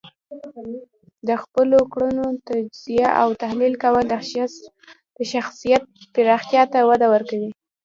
د خپلو کړنو تجزیه او تحلیل کول د شخصیت پراختیا ته وده ورکوي.